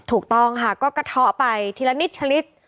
ถูกต้องค่ะก็กระเทาะไปทีละนิดชะลิด